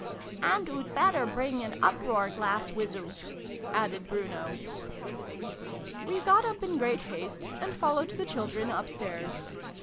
("And oo'd better bring an uproar glass wiz oo !" added Bruno.) We got up in great haste, and followed the children upstairs.